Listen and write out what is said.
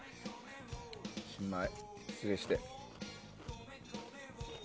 新米、失礼して。